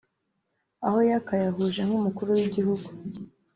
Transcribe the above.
aho yakayahuje nk’umukuru w’igihugu